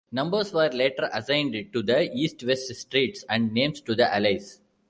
Numbers were later assigned to the east-west streets and names to the alleys.